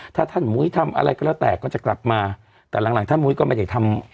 ถ้าท่านมุ้ยทำอะไรก็แล้วแต่ก็จะกลับมาแต่หลังหลังท่านมุ้ยก็ไม่ได้ทำ